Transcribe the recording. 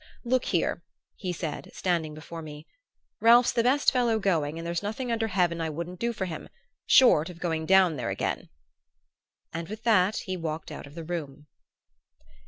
"Look here," he said, standing before me, "Ralph's the best fellow going and there's nothing under heaven I wouldn't do for him short of going down there again." And with that he walked out of the room.